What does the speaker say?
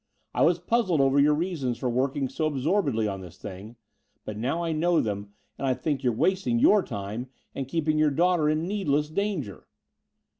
I was puzzled over your reasons for working so absorbedly on this thing, but now I know them and I think you're wasting your time and keeping your daughter in needless danger."